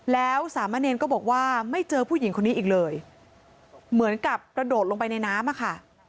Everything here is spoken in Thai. แล้วสามะเนรก็บอกว่าไม่เจอผู้หญิงคนนี้อีกเลยเหมือนกับกระโดดลงไปในน้ำอะค่ะ